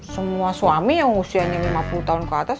semua suami yang usianya lima puluh tahun ke atas